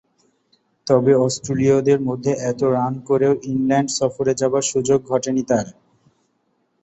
তবে অস্ট্রেলীয়দের মধ্যে এতো রান করেও ইংল্যান্ড সফরে যাবার সুযোগ ঘটেনি তার।